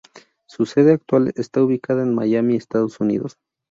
Su sede actual está ubicada en Miami, Estados Unidos.